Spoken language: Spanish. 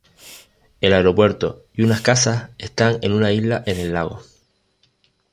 El aeropuerto y unas casas están en una isla en el lago.